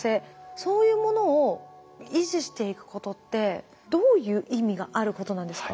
そういうものを維持していくことってどういう意味があることなんですか？